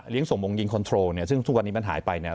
ส่งมงยิงคอนโทรเนี่ยซึ่งทุกวันนี้มันหายไปเนี่ย